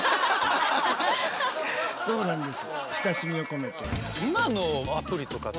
そうなんです。